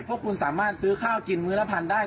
เพราะคุณสามารถซื้อข้าวกินมื้อละพันได้